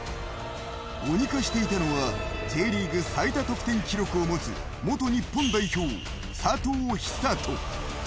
鬼化していたのはＪリーグ最多得点記録を持つ、元日本代表・佐藤寿人。